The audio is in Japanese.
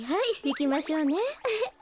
いきましょうね。